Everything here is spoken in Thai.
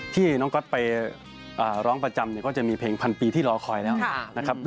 ที่น้องก๊อตไปร้องประจำก็จะมีเพลงพันปีที่รอคอยแล้วนะครับ